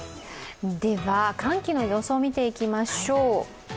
では、寒気の予想を見ていきましょう。